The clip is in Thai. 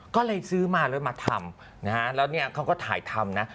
ก็เลยซื้อมาแล้วมาทำนะฮะแล้วเนี่ยเขาก็ถ่ายทำนะ